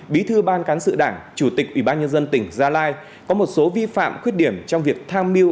bí thư ban cán sự đảng chủ tịch ủy ban nhân dân tỉnh gia lai có một số vi phạm khuyết điểm trong việc tham mưu